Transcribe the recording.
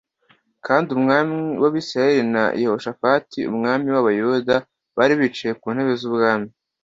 Kandi umwami w’Abisirayeli na Yehoshafati umwami w’Abayuda bari bicaye ku ntebe z’ubwami